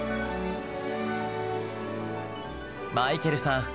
マイケルさん